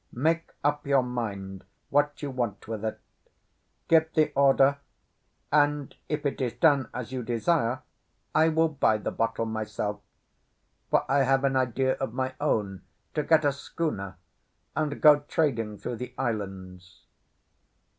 Make up your mind what you want with it; give the order, and if it is done as you desire, I will buy the bottle myself; for I have an idea of my own to get a schooner, and go trading through the islands."